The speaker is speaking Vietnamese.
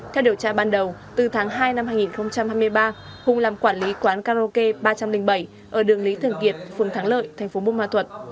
theo điều tra ban đầu từ tháng hai năm hai nghìn hai mươi ba hùng làm quản lý quán karaoke ba trăm linh bảy ở đường lý thường kiệt phường thắng lợi thành phố bù ma thuật